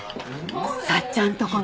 さっちゃんとこの。